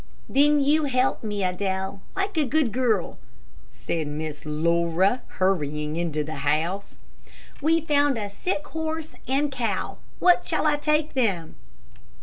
"Then you help me, Adele, like a good girl," said Miss Laura, hurrying into the house. "We've found a sick horse and cow. What shall I take them?"